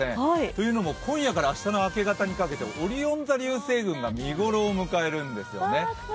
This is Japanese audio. というのも、今夜から明日の明け方にかけてオリオン座流星群が見頃を迎えるんですよね